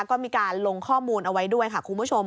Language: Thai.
ก็มีการลงข้อมูลเอาไว้ด้วยค่ะคุณผู้ชม